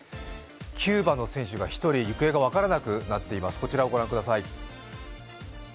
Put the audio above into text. キューバの選手が１人、行方が分からなくなっています。